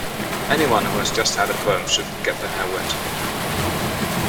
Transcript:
Anyone who has just had a perm shouldn't get their hair wet.